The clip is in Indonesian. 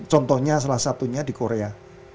contohnya salah satunya di korea